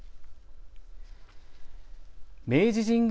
明治神宮